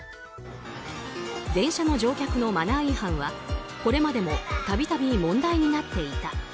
電車の乗客のマナー違反はこれまでも度々、問題になっていた。